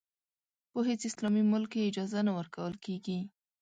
په هېڅ اسلامي ملک کې اجازه نه ورکول کېږي.